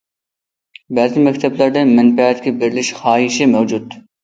بەزى مەكتەپلەردە مەنپەئەتكە بېرىلىش خاھىشى مەۋجۇت.